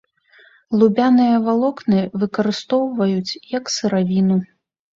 Лубяныя валокны выкарыстоўваюць як сыравіну.